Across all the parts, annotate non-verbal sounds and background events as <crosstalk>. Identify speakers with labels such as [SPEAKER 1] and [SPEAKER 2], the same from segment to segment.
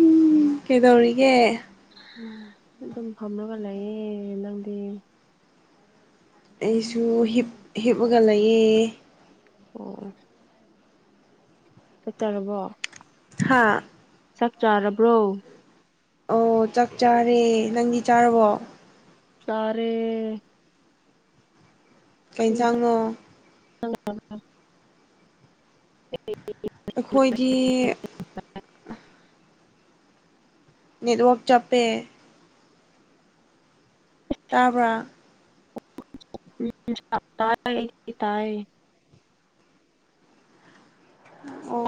[SPEAKER 1] ꯎꯝ ꯀꯩꯗꯧꯔꯤꯒꯦ
[SPEAKER 2] ꯎꯝ ꯑꯗꯨꯝ ꯐꯝꯃꯒ ꯂꯩꯌꯦ ꯅꯪꯗꯤ
[SPEAKER 1] ꯑꯩꯁꯨ ꯍꯤꯞꯄꯒ ꯂꯩꯑ
[SPEAKER 2] ꯑꯣ ꯆꯠꯇꯔꯕꯣ
[SPEAKER 1] ꯍꯥꯥ
[SPEAKER 2] ꯆꯥꯛ ꯆꯥꯔꯕ꯭ꯔꯣ
[SPEAKER 1] ꯑꯣ ꯆꯥꯛ ꯆꯥꯔꯦ ꯅꯪꯗꯤ ꯆꯥꯔꯕꯣ
[SPEAKER 2] ꯇꯔꯦ
[SPEAKER 1] ꯀꯩꯁꯥꯡꯉꯣ
[SPEAKER 2] ꯍ
[SPEAKER 1] ꯑꯩꯈꯣꯏꯗꯤ
[SPEAKER 2] <unintelligible>
[SPEAKER 1] ꯅꯦꯠꯋꯔꯛ ꯆꯥꯞꯄꯦ ꯇꯥꯄ
[SPEAKER 2] ꯎ ꯇ ꯇꯌꯦ
[SPEAKER 1] ꯑꯣ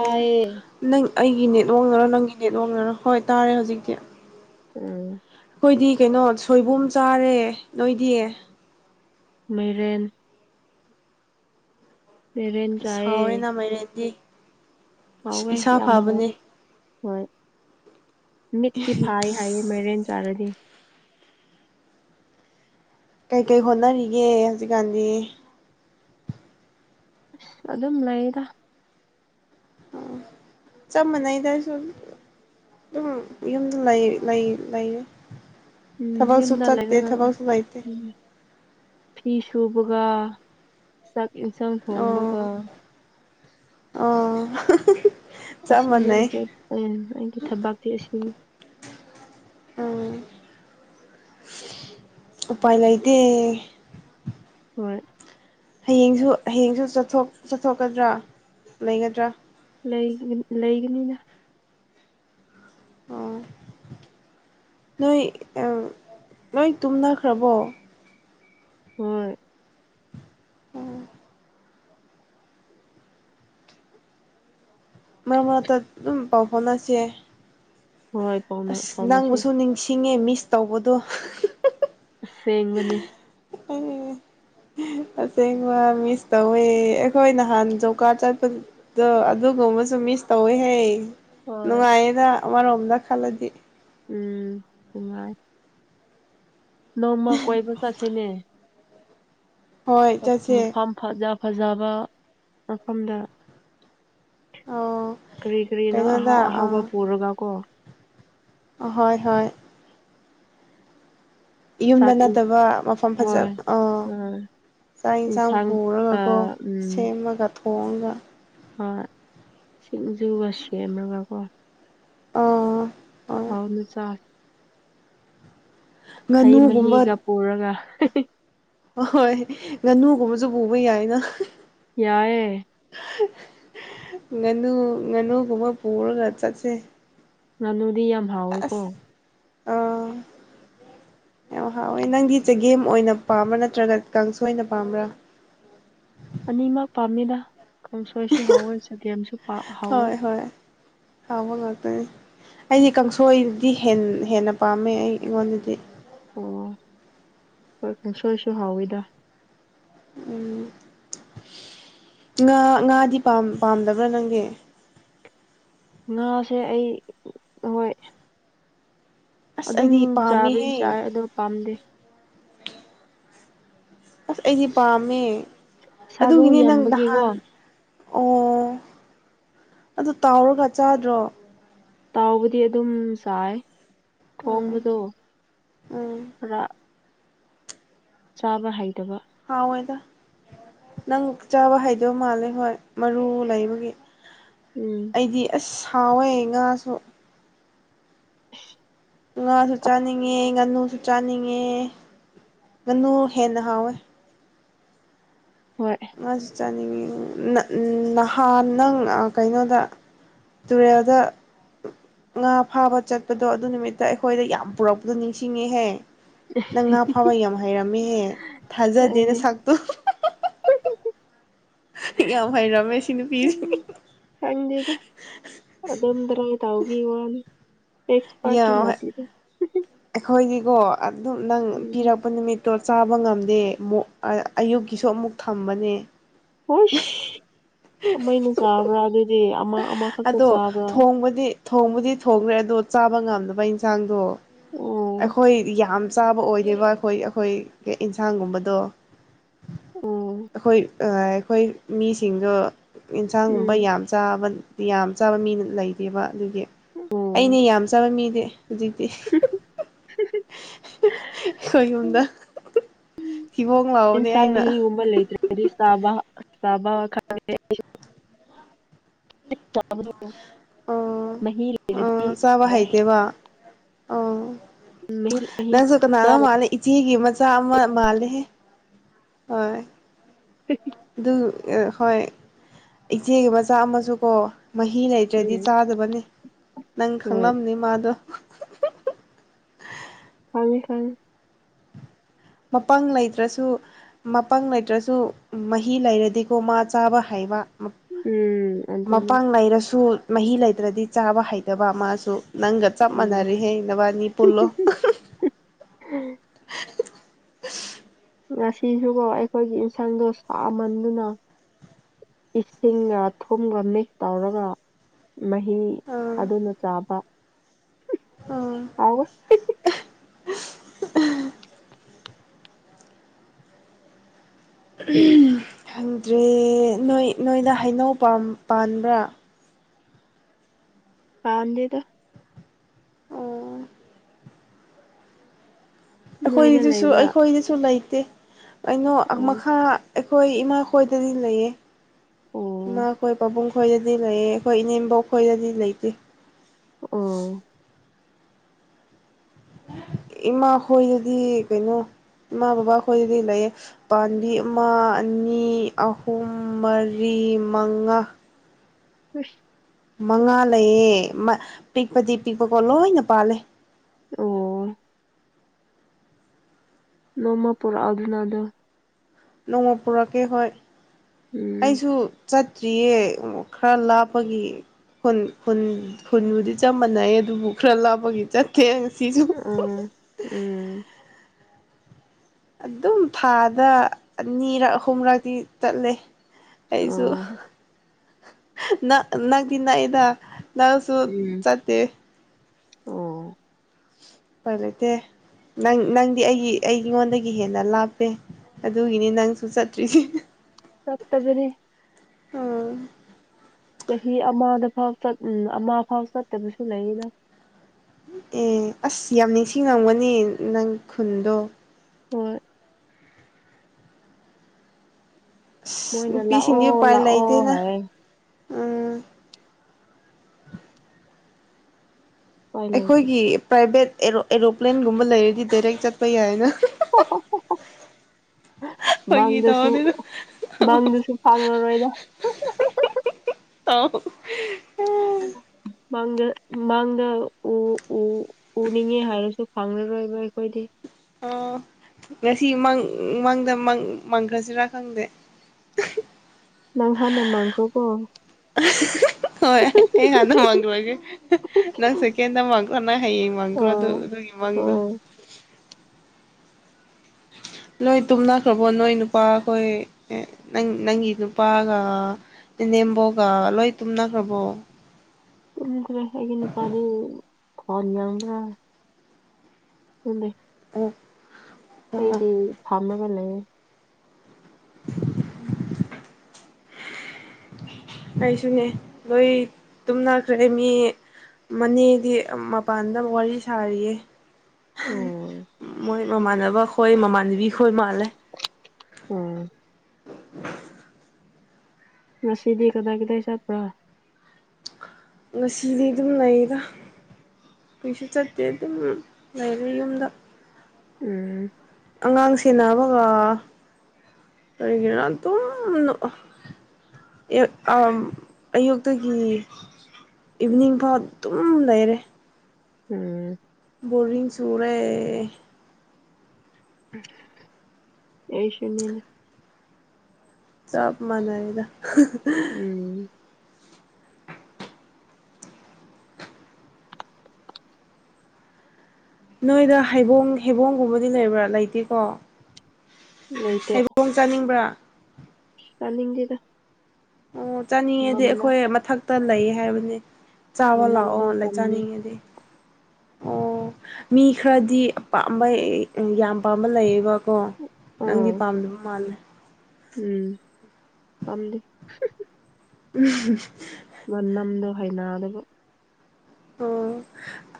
[SPEAKER 1] ꯅ ꯑꯩꯒꯤ ꯅꯦꯠ ꯂꯣꯡꯉꯔꯣ ꯅꯪꯒꯤ ꯅꯦꯠ ꯂꯣꯡꯉꯔꯣ ꯍꯣꯏ ꯇꯥꯔꯦ ꯍꯧꯖꯤꯛꯇꯤ
[SPEAKER 2] ꯎꯝ
[SPEAKER 1] ꯅꯣꯏꯗꯤ ꯀꯩꯅꯣ ꯁꯣꯏꯕꯨꯝ ꯆꯥꯔꯦ ꯅꯣꯏꯗꯤ
[SPEAKER 2] ꯃꯩꯔꯦꯟ ꯃꯩꯔꯦꯟ ꯆꯥꯏꯌꯦ
[SPEAKER 1] ꯁꯥꯎꯔꯦꯅꯥ ꯃꯥꯏꯔꯦꯟꯗꯤ
[SPEAKER 2] ꯍꯥꯎꯋꯦ
[SPEAKER 1] ꯏꯁꯥ
[SPEAKER 2] ꯌꯥꯝ ꯍꯋꯦ
[SPEAKER 1] ꯐꯕꯅꯦ
[SPEAKER 2] ꯍꯣꯏ ꯃꯤꯠꯀꯤ ꯐꯥ ꯍꯥꯏꯌꯦ ꯃꯔꯦꯟ ꯆꯥꯔꯗꯤ
[SPEAKER 1] ꯀꯩꯀꯩ ꯍꯣꯠꯅꯔꯤꯒꯦ ꯍꯧꯖꯤꯛꯀꯥꯟꯗꯤ
[SPEAKER 2] ꯑꯗꯨꯝ ꯂꯩꯗ
[SPEAKER 1] ꯆꯞ ꯃꯥꯟꯅꯩꯗꯁꯨ ꯑꯗꯨꯝ ꯌꯨꯝꯗ ꯂꯩꯌꯦ
[SPEAKER 2] ꯎꯝ
[SPEAKER 1] ꯊꯕꯥꯜꯁꯨ
[SPEAKER 2] ꯌꯨꯝꯗ
[SPEAKER 1] ꯆꯠꯇ
[SPEAKER 2] ꯂꯩꯔꯒ
[SPEAKER 1] ꯊꯕꯥꯜꯁꯨ ꯃꯥꯥꯏꯇ
[SPEAKER 2] ꯎꯝ ꯐꯤ ꯁꯨꯕꯒ ꯆꯥꯛ ꯌꯦꯟꯁꯥꯡ
[SPEAKER 1] ꯑꯣ
[SPEAKER 2] ꯊꯣꯡꯕꯒ
[SPEAKER 1] ꯑꯣ ꯆꯞ
[SPEAKER 2] ꯑꯁꯤꯅꯤ
[SPEAKER 1] ꯃꯥꯟꯅꯩ
[SPEAKER 2] ꯑꯩꯈꯣꯏ ꯑꯩꯒꯤ ꯊꯕꯛꯇꯤ ꯑꯁꯤꯅꯤ
[SPEAKER 1] ꯑ ꯄꯥꯏ ꯂꯩꯗꯤ
[SPEAKER 2] ꯍꯣꯏ
[SPEAKER 1] ꯍꯌꯦꯡꯁꯨ ꯍꯌꯦꯡꯁꯨ ꯆꯠꯊꯣꯛꯀꯗ꯭ꯔꯥ ꯂꯩꯒꯗ꯭ꯔꯥ
[SPEAKER 2] ꯂꯩꯅꯤ ꯂꯩꯒꯅꯤꯅ
[SPEAKER 1] ꯑꯣ ꯅꯣꯏ ꯅꯣꯏ ꯇꯨꯝꯅꯈ꯭ꯔꯕꯣ
[SPEAKER 2] ꯍꯣꯏ
[SPEAKER 1] ꯃꯔꯛ ꯃꯔ ꯇ ꯑꯗꯨꯝ ꯄꯥꯎ ꯐꯥꯎꯅꯁꯦ
[SPEAKER 2] ꯍꯣꯏ ꯄꯥꯎꯅ
[SPEAKER 1] ꯑꯁ
[SPEAKER 2] ꯐꯥꯎꯅꯁꯤ
[SPEAKER 1] ꯅꯪꯕꯨꯁꯨ ꯅꯤꯡꯁꯤꯡꯉꯦ ꯃꯤꯁ ꯇꯧꯕꯗꯣ
[SPEAKER 2] ꯁꯦꯡꯕꯅꯤ
[SPEAKER 1] ꯎꯝ ꯑꯁꯦꯡꯕ ꯃꯤꯁ ꯇꯧꯋꯦ ꯑꯩꯈꯣꯏ ꯅꯍꯥꯟ ꯖꯣꯕ ꯀꯥꯔꯠ ꯆꯠꯄꯗꯣ ꯑꯗꯨꯒꯨꯝꯕꯁꯨ ꯁꯨ ꯃꯤꯁ ꯇꯧꯋꯦꯍꯦ
[SPEAKER 2] ꯍꯣꯏ
[SPEAKER 1] ꯅꯨꯡꯉꯥꯏꯌꯦꯗ ꯋꯥꯔꯣꯝꯗ ꯈꯜꯂꯗꯤ
[SPEAKER 2] ꯎꯝ ꯅꯨꯡꯉꯥꯏ ꯅꯣꯡꯃ ꯀꯣꯏꯕ ꯆꯠꯁꯤꯅꯦ
[SPEAKER 1] ꯍꯣꯏ ꯆꯠꯁꯦ
[SPEAKER 2] ꯃꯐꯝ ꯐꯖ ꯐꯖꯕ ꯃꯐꯝꯗ
[SPEAKER 1] ꯑꯣ
[SPEAKER 2] ꯀꯔꯤ ꯀꯔꯤꯅꯣ
[SPEAKER 1] ꯀꯩꯅꯣꯗ
[SPEAKER 2] ꯑꯍꯥꯎ ꯑꯍꯥꯎꯕ ꯄꯨꯔꯒ ꯀꯣ
[SPEAKER 1] ꯍꯣꯏ ꯍꯣꯏ ꯌꯨꯝꯗ
[SPEAKER 2] ꯆꯥꯛ
[SPEAKER 1] ꯅꯠꯇꯕ ꯃꯐꯝ
[SPEAKER 2] ꯍꯣꯏ
[SPEAKER 1] ꯐꯖꯕ ꯑꯥ
[SPEAKER 2] ꯑ
[SPEAKER 1] ꯆꯥꯛ ꯌꯦꯟꯁꯥꯡ
[SPEAKER 2] ꯏꯟꯁꯥꯡ ꯑ
[SPEAKER 1] ꯄꯨꯔꯒꯀꯣ
[SPEAKER 2] ꯎꯝ
[SPEAKER 1] ꯁꯦꯝꯃꯒ ꯊꯣꯡꯉꯒ
[SPEAKER 2] ꯍꯣꯏ ꯁꯤꯡꯖꯨꯒ ꯁꯦꯝꯃꯒꯀꯣ
[SPEAKER 1] ꯑꯥ ꯍꯣꯏ
[SPEAKER 2] ꯍꯥꯎꯅ ꯆꯥ ꯍꯩ
[SPEAKER 1] ꯉꯥꯅꯨꯒꯨꯝꯕ
[SPEAKER 2] ꯃꯍꯤꯒ ꯄꯨꯔꯒ
[SPEAKER 1] ꯑꯍꯣꯏ ꯉꯥꯅꯨꯒꯨꯝꯕꯁꯨ ꯄꯨꯕ ꯌꯥꯏꯅ
[SPEAKER 2] ꯌꯥꯏꯦ
[SPEAKER 1] ꯉꯥꯅꯨ ꯉꯥꯅꯨꯒꯨꯝꯕ ꯄꯨꯔꯒ ꯆꯠꯁꯦ
[SPEAKER 2] ꯉꯥꯅꯨꯗꯤ ꯌꯥꯝ ꯍꯥꯎꯋꯦꯀꯣ
[SPEAKER 1] ꯑꯁ ꯑꯥ ꯌꯥꯝ ꯍꯥꯎꯋꯦ ꯅꯪꯗꯤ ꯆꯒꯦꯝ ꯑꯣꯏꯅ ꯄꯥꯝꯕ꯭ꯔꯥ ꯅꯠꯇ꯭ꯔꯒ ꯀꯥꯡꯁꯣꯏꯅ ꯄꯥꯝꯕ꯭ꯔꯥ ꯎ
[SPEAKER 2] ꯑꯅꯤꯃꯛ ꯄꯥꯝꯃꯤꯅ ꯀꯥꯡꯁꯣꯏꯁꯨ ꯍꯥꯎꯋꯦ ꯆꯒꯦꯝꯁꯨ ꯍꯥꯎꯋꯦ
[SPEAKER 1] ꯍꯕ ꯂ ꯇ ꯑꯩꯗꯤ ꯀꯥꯡꯁꯣꯏꯗꯤ ꯍꯦꯟꯅ ꯄꯥꯝꯃꯦ ꯑꯩ ꯑꯩꯉꯣꯟꯗꯗꯤ
[SPEAKER 2] ꯑꯣ ꯍꯣꯏ ꯈꯪꯁꯣꯏꯁꯨ ꯍꯥꯎꯋꯤꯗ
[SPEAKER 1] ꯎꯝ ꯉꯥ ꯉꯥꯗꯤ ꯄꯥꯝꯗꯕ꯭ꯔꯥ ꯅꯪꯒꯤ
[SPEAKER 2] ꯉꯥꯁꯦ ꯑꯩ ꯍꯣꯏ
[SPEAKER 1] ꯑꯁ
[SPEAKER 2] ꯑꯗꯨꯝ
[SPEAKER 1] ꯑꯩꯗꯤ
[SPEAKER 2] ꯆꯥꯕꯗꯤ
[SPEAKER 1] ꯄꯥꯝꯃꯦꯍꯦ
[SPEAKER 2] ꯆꯥꯏ ꯑ ꯄꯥꯝꯗꯦ
[SPEAKER 1] ꯑꯁ ꯑꯩꯗꯤ ꯄꯥꯝꯃꯦ
[SPEAKER 2] ꯁꯥꯔꯨ
[SPEAKER 1] ꯑꯗꯨꯒꯤꯅꯦ ꯅꯪ
[SPEAKER 2] ꯌꯥꯝꯕꯒꯤꯀꯣ
[SPEAKER 1] ꯅꯍꯥꯟ ꯑꯣ ꯑꯗꯨ ꯇꯥꯎꯔꯒ ꯆꯥꯗ꯭ꯔꯣ
[SPEAKER 2] ꯇꯥꯎꯕꯗꯤ ꯑꯗꯨꯝ ꯁꯥꯏ
[SPEAKER 1] ꯎꯝ
[SPEAKER 2] ꯈꯣꯡꯕꯗꯣ
[SPEAKER 1] ꯎꯝ
[SPEAKER 2] ꯈꯔ ꯆꯥꯕ ꯍꯩꯇꯕ
[SPEAKER 1] ꯍꯥꯎꯋꯦꯗ ꯅꯪ ꯆꯥꯕ ꯍꯩꯗꯕ ꯃꯥꯜꯂꯦ ꯍꯣꯏ ꯃꯔꯨ ꯂꯩꯕꯒꯤ
[SPEAKER 2] ꯎꯝ
[SPEAKER 1] ꯑꯩꯗꯤ ꯑꯁ ꯁꯥꯎꯋꯦ ꯉꯥꯁꯨ ꯉꯥꯁꯨ ꯆꯥꯅꯤꯡꯉꯦ ꯉꯥꯅꯨꯁꯨ ꯆꯥꯅꯤꯡꯉꯦ ꯃꯅꯨ ꯍꯦꯟꯅ ꯍꯥꯋꯦ
[SPEAKER 2] ꯍꯣꯏ
[SPEAKER 1] ꯉꯁꯤ ꯆꯥꯅꯤꯡꯉꯤ ꯅꯍꯥꯟ ꯅꯪ ꯀꯩꯅꯣꯗ ꯇꯨꯔꯦꯜꯗ ꯉꯥ ꯐꯥꯕ ꯆꯠꯄꯗꯣ ꯑꯗꯨ ꯅꯨꯃꯤꯠꯇ ꯑꯩꯈꯣꯏꯗ ꯌꯥꯝ ꯄꯨꯔꯛꯄꯗꯣ ꯅꯤꯡꯁꯤꯡꯉꯤꯍꯦ ꯅꯪ ꯉꯥ ꯐꯥꯕ ꯌꯥꯝ ꯍꯩꯔꯝꯃꯦꯍꯦ ꯊꯥꯖꯗꯦꯅ
[SPEAKER 2] ꯑꯩ
[SPEAKER 1] ꯁꯛꯇꯣ
[SPEAKER 2] <unintelligible>
[SPEAKER 1] ꯌꯥꯝ ꯐꯩꯔꯝꯃꯦ ꯁꯤꯅ
[SPEAKER 2] ꯎꯝ
[SPEAKER 1] ꯄꯤꯁꯤꯅꯦ
[SPEAKER 2] ꯝꯗꯔ ꯇꯧꯒ ꯋꯥ ꯑꯦꯁ ꯄꯥꯇꯤ ꯃꯥꯇꯗ
[SPEAKER 1] ꯀꯣ ꯑꯗꯨꯝ ꯅꯪ ꯄꯤꯔꯛꯄ ꯅꯨꯃꯤꯠꯇꯣ ꯆꯥꯕ ꯉꯝꯗꯦ ꯑꯃꯨꯛ ꯑꯌꯨꯛꯀꯤꯁꯨ ꯑꯃꯨꯛ ꯊꯝꯕꯅꯦ
[SPEAKER 2] ꯍꯣꯏꯁ ꯑꯩꯅ ꯆꯥꯕ꯭ꯔꯥ ꯑꯗꯨꯗꯤ ꯑꯃ ꯑꯃꯈꯛꯇ
[SPEAKER 1] ꯑꯗꯣ
[SPEAKER 2] ꯆꯥꯕ꯭ꯔꯥ ꯑꯣ
[SPEAKER 1] ꯊꯣꯡꯕꯗꯤ ꯊꯣꯡꯕꯨꯗꯤ ꯊꯣꯡꯈ꯭ꯔꯦ ꯑꯗꯣ ꯆꯥꯕ ꯉꯝꯗꯕ ꯏꯟꯁꯥꯡꯗꯣ
[SPEAKER 2] ꯑꯣ
[SPEAKER 1] ꯑꯩꯈꯣꯏ ꯌꯥꯝ ꯆꯥꯕ ꯑꯣꯏꯗꯕ ꯑꯩꯈꯣꯏ ꯑꯩꯈꯣꯏꯒꯤ ꯌꯦꯟꯁꯥꯡꯒꯨꯝꯕꯗꯣ
[SPEAKER 2] ꯎꯝ
[SPEAKER 1] ꯑꯩꯈꯣꯏ ꯃꯤꯁꯤꯡꯗꯣ ꯌꯦꯟꯁꯥꯡꯒꯨꯝꯕ ꯌꯥꯝ ꯆꯥꯕꯗꯤ ꯌꯥꯝ ꯆꯥꯕ ꯃꯤꯅ ꯂꯩꯇꯦꯕ ꯑꯗꯨꯒꯤ
[SPEAKER 2] ꯑꯣ
[SPEAKER 1] ꯑꯩꯅꯦ ꯌꯥꯝ ꯆꯥꯕ ꯃꯤꯗꯤ ꯍꯧꯖꯤꯛꯇꯤ ꯑꯩꯈꯉꯨꯝꯗ
[SPEAKER 2] ꯏꯟꯁꯥ ꯃꯤ ꯎꯕ ꯂꯩꯇ꯭ꯔꯦꯥꯕ ꯁꯥꯕ ꯈ
[SPEAKER 1] ꯑꯣ ꯑ ꯆꯥꯕ
[SPEAKER 2] ꯌꯥꯔꯦ
[SPEAKER 1] ꯍꯥꯏꯩꯗꯦꯕ ꯑꯥ
[SPEAKER 2] ꯃꯍꯤ ꯃꯍꯤ
[SPEAKER 1] ꯅꯪꯁꯨ ꯀꯅꯥꯅꯣ ꯃꯥꯅꯦ ꯏꯆꯤ ꯀꯤꯃ ꯑꯃ ꯃꯥꯂꯦꯦ ꯍ ꯑꯗꯨ ꯍꯣꯏ ꯏꯆꯦꯒꯤ ꯃꯆꯥ ꯑꯃꯁꯨꯀꯣ ꯃꯍꯤ ꯂꯩꯇ꯭ꯔꯗꯤ
[SPEAKER 2] ꯎꯝ
[SPEAKER 1] ꯆꯥꯗꯕꯅꯤ ꯅꯪ
[SPEAKER 2] ꯍꯣꯏ
[SPEAKER 1] ꯈꯪꯂꯝꯅꯤ ꯃꯥꯗꯣ
[SPEAKER 2] ꯑꯉ ꯈꯪ
[SPEAKER 1] ꯃꯄꯪ ꯂꯩꯇ꯭ꯔꯁꯨ ꯃꯄꯪ ꯂꯩꯇ꯭ꯔꯁꯨ ꯃꯍꯤ ꯂꯩꯔꯗꯤꯀꯣ ꯃꯥ ꯆꯥꯕ ꯍꯩꯕ
[SPEAKER 2] ꯎꯝ ꯑꯗꯨꯅꯤ
[SPEAKER 1] ꯃꯄꯥꯡ ꯂꯩꯔꯁꯨ ꯃꯍꯤ ꯂꯩꯇ꯭ꯔꯗꯤ ꯆꯥꯕ ꯍꯩꯇꯕ ꯑꯃꯁꯁꯨ ꯅꯪꯒ ꯆꯞ
[SPEAKER 2] ꯎꯝ
[SPEAKER 1] ꯃꯥꯟꯅꯔꯦ ꯍꯩꯅꯕꯥꯅꯤ ꯄꯨꯜꯂꯣ
[SPEAKER 2] ꯉꯁꯤꯁꯤꯕꯥꯎ ꯑꯩꯈꯣꯏꯒꯤ ꯏꯟꯁꯥꯡꯗꯣ ꯁꯥꯃꯟꯗꯨꯅ ꯏꯁꯤꯡꯒ ꯊꯨꯝꯒ ꯃꯤꯛꯁ ꯇꯧꯔꯒ ꯃꯍꯤ
[SPEAKER 1] ꯑꯥ
[SPEAKER 2] ꯑꯗꯨꯅ ꯆꯥꯕ
[SPEAKER 1] ꯑꯥ
[SPEAKER 2] ꯑꯥꯎ
[SPEAKER 1] ꯎꯝ ꯎꯝ ꯈꯪꯗ꯭ꯔꯦ ꯅꯣꯏ ꯅꯣꯏꯗ ꯍꯩꯅꯧ ꯄꯥꯟꯕ꯭ꯔꯥ
[SPEAKER 2] ꯄꯗꯦꯗ ꯅꯣꯏꯗ
[SPEAKER 1] ꯑꯩꯈꯣꯏꯗꯨꯁꯨ
[SPEAKER 2] ꯂꯩꯕ꯭ꯔꯥ
[SPEAKER 1] ꯑꯩꯈꯣꯏꯗꯁꯨ ꯂꯩꯇꯦ ꯀꯩꯅꯣ
[SPEAKER 2] ꯑꯣ
[SPEAKER 1] ꯃꯈꯥ ꯑꯩꯈꯣꯏ ꯏꯃꯥ ꯈꯣꯏꯗꯗꯤ ꯂꯩꯌꯦ
[SPEAKER 2] ꯑꯣ
[SPEAKER 1] ꯏꯃꯥꯈꯣꯏ ꯄꯥꯕꯨꯡ ꯈꯣꯏꯗꯗꯤ ꯂꯩꯌꯦ ꯑꯩꯈꯣꯏ ꯏꯅꯦꯝꯕꯣꯛ ꯈꯣꯏꯗꯗꯤ ꯂꯩꯇꯦ
[SPEAKER 2] ꯎ
[SPEAKER 1] ꯏꯃꯥ ꯍꯣꯏꯗꯗꯤ ꯀꯩꯅꯣ ꯏꯃꯥ ꯕꯕꯥ ꯑꯩꯈꯣꯏꯗꯗꯤ ꯂꯩꯌꯦ ꯄꯥꯝꯕꯤ ꯑꯃ ꯑꯅꯤ ꯑꯍꯨꯝ ꯃꯔꯤ ꯃꯉꯥ
[SPEAKER 2] ꯍ
[SPEAKER 1] ꯃꯉꯥ ꯂꯩꯌꯦ ꯄꯤꯛꯄꯗꯤ ꯄꯤꯛꯄꯀꯣ ꯂꯣꯏꯅ ꯄꯥꯜꯂꯦ
[SPEAKER 2] ꯑꯣ ꯅꯣꯡꯃ ꯄꯣꯔ ꯑꯗꯅꯥꯗ
[SPEAKER 1] ꯅꯣꯡꯃ ꯄꯨꯔꯛꯀꯦ ꯍꯣꯏ
[SPEAKER 2] ꯎꯝ
[SPEAKER 1] ꯑꯩꯁꯨ ꯆꯠꯇ꯭ꯔꯤꯌꯦ ꯈꯔ ꯂꯥꯞꯄꯒꯤ ꯈꯨꯟꯕꯨꯗꯤ ꯆꯞ ꯃꯥꯟꯅꯩ ꯑꯗꯨꯕꯨ ꯈꯔ ꯂꯥꯞꯄꯒꯤ ꯆꯠ
[SPEAKER 2] ꯑ ꯎꯝ
[SPEAKER 1] ꯑꯗꯨꯝ ꯊꯥꯗ ꯑꯅꯤꯔꯛ ꯑꯍꯨꯝꯔꯛꯇꯤ ꯇꯠꯂꯦ
[SPEAKER 2] ꯑꯣ
[SPEAKER 1] ꯅꯪꯛꯇꯤ ꯅꯛꯏꯦꯗ ꯅꯪꯁꯨ
[SPEAKER 2] ꯎꯝ
[SPEAKER 1] ꯆꯠꯇꯦ
[SPEAKER 2] ꯑꯣ
[SPEAKER 1] ꯐ ꯂꯩꯇꯦ ꯅꯪ ꯅꯪꯗꯤ ꯑꯩꯒꯤ ꯑꯩꯉꯣꯟꯗꯒꯤ ꯍꯦꯟꯅ ꯂꯥꯞꯄꯦ ꯑꯗꯨꯒꯤꯅꯤ ꯅꯪꯁꯨ ꯆꯠꯇ꯭ꯔꯤꯁꯤꯦ
[SPEAKER 2] ꯆꯠꯇꯕꯅꯦ
[SPEAKER 1] ꯑꯣꯝ
[SPEAKER 2] ꯥꯎ ꯆ ꯎꯝ ꯑꯃ ꯐꯥꯎ ꯆꯠꯇꯕꯁꯨ ꯂꯩꯔꯤꯅ
[SPEAKER 1] ꯑꯦ ꯑꯁ ꯌꯥꯝ ꯅꯤꯡꯁꯤꯡꯉꯝꯒꯅꯤ ꯅꯪ ꯈꯨꯟꯗꯣ
[SPEAKER 2] ꯍꯣꯏ
[SPEAKER 1] ꯑ
[SPEAKER 2] ꯃꯣꯏꯅ
[SPEAKER 1] ꯅꯨꯄꯤꯁꯤꯡꯗꯤ
[SPEAKER 2] ꯂꯥꯛꯑꯣ
[SPEAKER 1] ꯎꯄꯥꯏ
[SPEAKER 2] ꯂꯥꯛꯑꯣ
[SPEAKER 1] ꯂꯩꯇꯦꯅ
[SPEAKER 2] ꯍꯥꯏꯌꯦ
[SPEAKER 1] ꯎꯝ
[SPEAKER 2] ꯎꯄꯥꯏ ꯂꯩꯇꯦ
[SPEAKER 1] ꯑꯩꯈꯣꯏꯒꯤ ꯄ꯭ꯔꯥꯏꯚꯦꯠ ꯑꯦꯔꯣꯄ꯭ꯂꯦꯟꯒꯨꯝꯕ ꯂꯩꯔꯗꯤ ꯗꯥꯏꯔꯦꯛ ꯆꯠꯄ ꯌꯥꯏꯅ
[SPEAKER 2] ꯑꯣ
[SPEAKER 1] ꯐꯥꯒꯤ
[SPEAKER 2] ꯃꯪꯗꯁꯨ
[SPEAKER 1] ꯇꯧꯕꯅꯤꯗ
[SPEAKER 2] ꯃꯪꯗꯁꯨ ꯐꯪꯉꯔꯣꯏꯗ
[SPEAKER 1] ꯑ
[SPEAKER 2] ꯃꯥꯡꯗ ꯃꯥꯡꯗ ꯎ ꯎꯅꯤꯉ ꯍꯥꯏꯔꯁꯨ ꯐꯪꯅꯔꯣꯏꯕ ꯑꯩꯈꯣꯏꯗꯤ
[SPEAKER 1] ꯑ ꯉꯁꯤꯥꯡ ꯃꯥꯡꯗ ꯃꯥꯡꯈ꯭ꯔꯁꯤꯔꯥ ꯈꯪꯗꯦ ꯎ
[SPEAKER 2] ꯅꯪ ꯍꯥꯟꯅ ꯃꯥꯡꯈꯀꯣ
[SPEAKER 1] <inaudible> ꯍꯣꯏ ꯑꯩ ꯍꯥꯟꯅ ꯃꯥꯡꯈ꯭ꯔꯒꯦ ꯅꯪ ꯁꯦꯀꯦꯟꯗ ꯃꯥꯡꯈ꯭ꯔꯣ ꯅꯪ ꯍꯌꯦꯡ ꯃꯥꯡꯈ꯭ꯔꯣ ꯑꯗꯨ
[SPEAKER 2] ꯑꯥ
[SPEAKER 1] ꯏꯃꯒ
[SPEAKER 2] ꯍꯣꯏ
[SPEAKER 1] ꯅꯣꯏ ꯇꯨꯝꯅꯈ꯭ꯔꯕꯣ ꯅꯣꯏ ꯅꯨꯄꯥꯈꯣꯏ ꯅꯪ ꯅꯪꯒꯤ ꯅꯨꯄꯥꯒ ꯅꯦꯝꯕꯣꯒ ꯂꯣꯏ ꯇꯨꯝꯅꯈ꯭ꯔꯕꯣ
[SPEAKER 2] ꯇꯈ꯭ꯔꯦ ꯑꯩꯒꯤ ꯅꯨꯄꯥꯗꯤ ꯐꯋꯥꯟ ꯌꯥꯝꯡꯕ꯭ꯔꯥ ꯎꯗ
[SPEAKER 1] ꯑꯣ ꯑꯣ
[SPEAKER 2] ꯑꯩꯗꯤ ꯐꯝꯃꯒ ꯂꯩ
[SPEAKER 1] <inaudible> ꯑꯩꯁꯨꯅꯦ ꯂꯣꯏ ꯇꯨꯝꯅꯈ꯭ꯔꯦ ꯃꯤ ꯃꯅꯦꯗꯤ ꯃꯄꯥꯟꯗꯨ ꯋꯥꯔꯤ ꯁꯥꯔꯤꯌꯦ
[SPEAKER 2] ꯎꯝ
[SPEAKER 1] ꯃꯣꯏ ꯃꯃꯥꯟꯅꯕꯈꯣꯏ ꯃꯃꯥꯟꯅꯕꯤ ꯍꯣꯏ ꯃꯜꯦ
[SPEAKER 2] ꯎꯝ ꯉꯁꯤꯗꯤ ꯀꯗꯥꯏ ꯀꯗꯥꯏ ꯆꯠꯄ꯭ꯔꯥ
[SPEAKER 1] ꯃꯁꯤꯗꯤ ꯑꯗꯨꯝ ꯂꯩꯔ ꯀꯩꯁꯨ ꯆꯠꯇꯦ ꯑꯗꯨꯝ ꯂꯩꯔꯦ ꯌꯨꯝꯗ
[SPEAKER 2] ꯎꯝ
[SPEAKER 1] ꯑꯉꯥꯡ ꯁꯦꯟꯅꯕꯒ ꯀꯔꯤꯒꯤꯅ ꯑꯗꯨꯝ ꯑꯌꯨꯛꯇꯒꯤ ꯏꯚꯅꯤꯡ ꯐꯥꯎ ꯑꯗꯨꯝ ꯂꯩꯔꯦ
[SPEAKER 2] ꯎꯝ
[SPEAKER 1] ꯕꯣꯔꯤꯡ ꯆꯨꯔꯦ
[SPEAKER 2] ꯑꯩꯁꯨꯅꯤꯅ
[SPEAKER 1] ꯆꯕ ꯃꯅꯏꯗ
[SPEAKER 2] ꯎꯝ
[SPEAKER 1] ꯅꯣꯏꯗ ꯍꯩꯕꯣꯡ ꯍꯩꯕꯣꯡꯒꯨꯝꯕꯗꯤ ꯂꯩꯕ꯭ꯔꯥ ꯂꯩꯇꯦꯀꯣ ꯍꯥꯏꯗꯣꯡ ꯆꯥꯅꯤꯡꯕ꯭ꯔꯥ
[SPEAKER 2] ꯆꯅꯤꯡꯗꯤꯗ
[SPEAKER 1] ꯑꯣ ꯆꯥꯅꯤꯡꯉꯦꯗꯤ ꯑꯩꯈꯣꯏ ꯃꯊꯛꯇ ꯂꯩ ꯍꯥꯏꯕꯅꯦ ꯆꯥꯕ
[SPEAKER 2] ꯃꯅꯝꯗꯣ
[SPEAKER 1] ꯂꯥꯛꯑꯣꯂ
[SPEAKER 2] ꯄꯥꯝꯗꯦ
[SPEAKER 1] ꯆꯥꯅꯤꯡꯉꯤꯗꯤ ꯑꯣ ꯃꯤ ꯈꯔꯗꯤ ꯑꯄꯥꯝꯕ ꯌꯥꯝ ꯄꯥꯝꯕ ꯂꯩꯌꯦꯕꯀꯣ ꯅꯪꯗꯤ
[SPEAKER 2] ꯑꯥ
[SPEAKER 1] ꯄꯥꯝꯗꯕ ꯃꯥꯜꯂꯦ
[SPEAKER 2] ꯎꯝ ꯇꯝꯗꯦ
[SPEAKER 1] <unintelligible>
[SPEAKER 2] ꯃꯅꯝꯗꯣ ꯍꯩꯅꯗꯕ
[SPEAKER 1] ꯑꯣ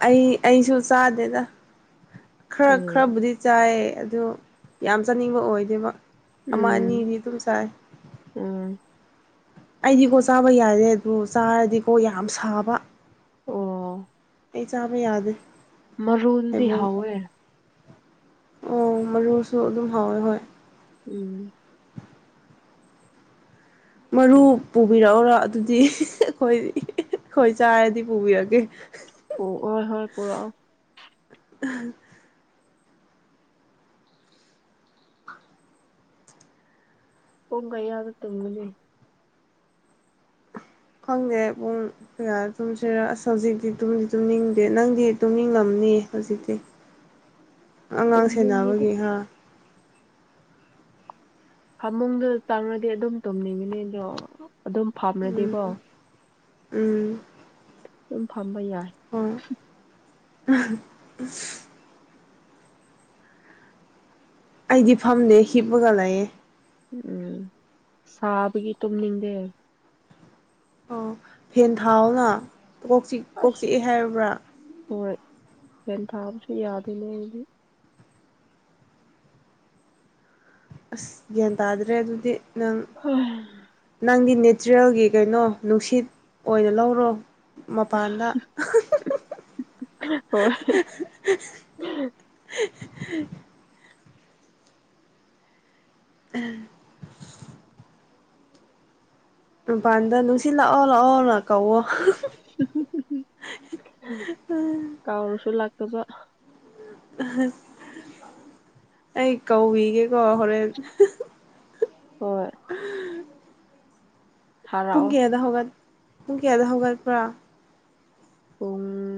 [SPEAKER 1] ꯑꯩ ꯑꯩꯁꯨ ꯆꯥꯗꯦꯗ ꯈꯔ
[SPEAKER 2] ꯎꯝ
[SPEAKER 1] ꯈꯔꯕꯨꯗꯤ ꯆꯥꯏꯌꯦ ꯑꯗꯨ ꯌꯥꯝ ꯆꯥꯅꯤꯡꯕ ꯑꯣꯏꯗꯦꯕ ꯑꯃ
[SPEAKER 2] ꯎꯝ
[SPEAKER 1] ꯑꯅꯤꯗꯤ ꯑꯗꯨꯝ ꯆꯥꯏ
[SPEAKER 2] ꯎꯝ
[SPEAKER 1] ꯑꯩꯗꯤꯀꯣ ꯆꯥꯕ ꯌꯥꯗꯦ ꯑꯗꯨ ꯆꯥꯔꯗꯤꯀꯣ ꯌꯥꯝ ꯁꯥꯕ
[SPEAKER 2] ꯑꯣ
[SPEAKER 1] ꯑꯩ ꯆꯥꯕ ꯌꯥꯗꯦ
[SPEAKER 2] ꯃꯔꯨꯗꯨꯗꯤ
[SPEAKER 1] ꯊꯩꯕꯣꯡ
[SPEAKER 2] ꯍꯥꯎꯋꯦ
[SPEAKER 1] ꯑꯣ ꯃꯔꯨꯁꯨ ꯑꯗꯨꯝ ꯍꯥꯎꯋꯦ ꯍꯣꯏ
[SPEAKER 2] ꯎꯝ
[SPEAKER 1] ꯃꯔꯨ ꯄꯨꯕꯤꯔꯛꯎꯔꯣ ꯑꯗꯨꯗꯤ ꯑꯩꯈꯣꯏ ꯑꯩꯈꯣꯏ ꯆꯥꯔꯗꯤ ꯄꯨꯕꯤꯔꯛꯀꯦ
[SPEAKER 2] ꯑꯣ ꯍꯣꯏ ꯍꯣꯏ ꯄꯨꯔꯛꯑꯣ
[SPEAKER 1] <unintelligible>
[SPEAKER 2] ꯄꯨꯡ ꯀꯌꯥꯗ ꯇꯨꯝꯒꯅꯤ
[SPEAKER 1] ꯈꯪꯗꯦ ꯄꯨꯡ ꯀꯌꯥꯗ ꯇꯨꯝꯁꯤꯔ ꯑꯁ ꯍꯧꯖꯤꯛꯇꯤ ꯇꯨꯝꯗꯤ ꯇꯨꯝꯅꯤꯡꯗꯦ ꯅꯪꯗꯤ ꯇꯨꯝꯅꯤꯡꯉꯝ ꯗꯤ ꯍꯧꯖꯤꯛꯇꯤ ꯑꯉꯥꯡ
[SPEAKER 2] ꯇꯨꯝꯅꯤꯡꯗꯦꯗ
[SPEAKER 1] ꯁꯦꯟꯅꯕꯒꯤ ꯍꯥ
[SPEAKER 2] ꯐꯃꯨꯡꯗ ꯆꯪꯉꯗꯤ ꯑꯗꯨꯝ ꯇꯨꯝꯅꯤꯡꯒꯅꯤ ꯑꯗꯣ ꯑꯗꯨꯝ
[SPEAKER 1] ꯎꯝ
[SPEAKER 2] ꯐꯝꯔꯗꯤꯀꯣ
[SPEAKER 1] ꯎꯝ
[SPEAKER 2] ꯎꯝ ꯐꯝꯕ ꯌꯥꯏ
[SPEAKER 1] ꯍꯣꯏ <unintelligible> ꯑꯩꯗꯤ ꯐꯝꯗꯦ ꯍꯤꯞꯄꯒ ꯂꯩꯌꯦ
[SPEAKER 2] ꯎꯝ ꯁꯥꯕꯒꯤ ꯇꯨꯝꯅꯤꯡꯗꯦ
[SPEAKER 1] ꯑꯣ ꯐꯦꯟ ꯊꯥꯎꯅ ꯀꯣꯛ ꯆꯤꯛ ꯀꯣꯛ
[SPEAKER 2] ꯑꯁ
[SPEAKER 1] ꯆꯤꯛꯑꯦ ꯍꯥꯏꯕ꯭ꯔ
[SPEAKER 2] ꯍꯣꯏ ꯐꯦꯟ ꯊꯥꯕꯁꯨ ꯌꯥꯗꯦꯅꯦ ꯑꯩꯗꯤ
[SPEAKER 1] ꯑꯁ ꯒ꯭ꯌꯥꯟ ꯇꯥꯗ꯭ꯔꯦ ꯑꯗꯨꯗꯤ ꯅꯪ ꯅꯪꯗꯤ ꯅꯤꯠ ꯇ꯭ꯔꯤꯌꯦꯜꯒꯤ ꯀꯩꯅꯣ ꯅꯨꯡꯁꯤꯠ ꯑꯣꯏꯅ ꯂꯧꯔꯣ ꯃꯄꯥꯟꯗ
[SPEAKER 2] ꯍꯣꯏ
[SPEAKER 1] <unintelligible> ꯑꯍ ꯥꯃꯄꯥꯟꯗ ꯅꯨꯡꯁꯤꯠ ꯂꯥꯛꯑꯣ ꯂꯥꯛꯑꯣ ꯂꯥꯛ
[SPEAKER 2] ꯀꯧꯔꯁꯨ ꯂꯥꯛꯇꯕ
[SPEAKER 1] ꯑꯩ ꯀꯧꯕꯤꯒꯦꯀꯣ ꯍꯣꯔꯦꯟ
[SPEAKER 2] ꯍꯣꯏ
[SPEAKER 1] ꯄꯨꯡ
[SPEAKER 2] ꯊꯥꯔꯛꯑꯣ
[SPEAKER 1] ꯀꯌꯥꯗ ꯍꯧꯒꯠ ꯄꯨꯡ ꯀꯌꯥꯗ ꯍꯧꯒꯠꯄ꯭ꯔꯥ
[SPEAKER 2] ꯄꯨꯡ